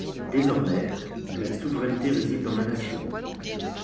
Désormais, la souveraineté réside dans la Nation.